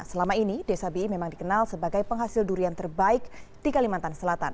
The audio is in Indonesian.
selama ini desa bii memang dikenal sebagai penghasil durian terbaik di kalimantan selatan